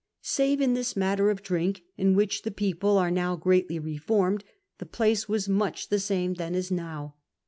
Save in this matter of drink, in which the people arc now greatly reforined. the place was much the same then as now.